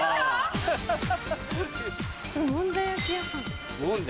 もんじゃ焼き屋さん。